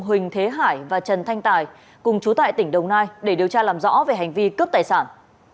huỳnh thế hải và trần thanh tài cùng chú tại tỉnh đồng nai để điều tra làm rõ về hành vi cướp tài sản